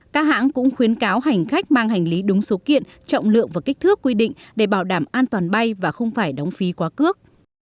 các hãng cũng khuyến cáo hành khách mang hành lý đúng số kiện trọng lượng và kích thước quy định để bảo đảm an toàn bay và không phải đóng phí quá cước